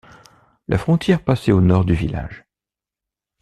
La frontière passait au nord du village.